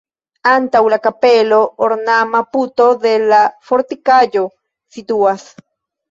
Antaŭ la kapelo ornama puto de la fortikaĵo situas.